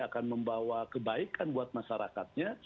akan membawa kebaikan buat masyarakatnya